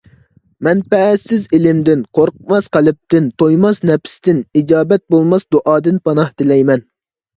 مەنپەئەتسىز ئىلىمدىن، قورقماس قەلبتىن، تويماس نەپستىن، ئىجابەت بولماس دۇئادىن پاناھ تىلەيمەن.